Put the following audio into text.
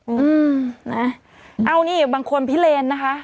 อืมเอาอันนี้อีกบางคนพี่เรนนะคะ